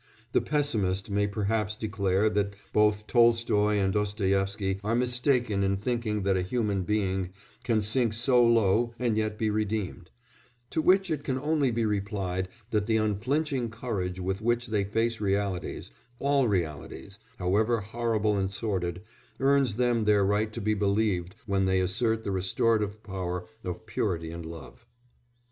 The pessimist may perhaps declare that both Tolstoy and Dostoïevsky are mistaken in thinking that a human being can sink so low and yet be redeemed; to which it can only be replied that the unflinching courage with which they face realities all realities, however horrible and sordid earns them their right to be believed when they assert the restorative power of purity and love.